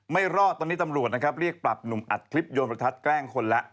ไม่รอดตอนนี้ตำรวจนะครับเรียกปรับหนุ่มอัดคลิปโยนประทัดแกล้งคนแล้ว